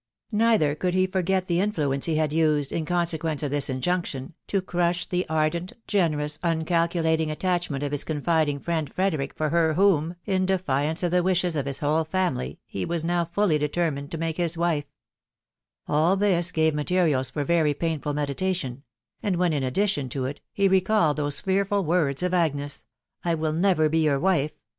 ... Neither could he forget the influence he had used, in consequence of this kit junction, to crush the ardent, generous, un calculating attach ment of has confiding friend Frederick for her whom, in defiance of the wishes<a£ h» whale family, he was now fully determined to make his wife* All this gave materials for very painful meditation ; and when, in addition to it, he recalled those fear* ful words of Agnea>. " I will never be your wife